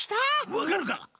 わかるか！？